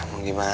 pergi kah